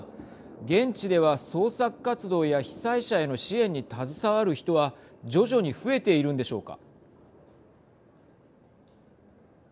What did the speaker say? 現地では捜索活動や被災者への支援に携わる人は徐々に増えているんでしょうか。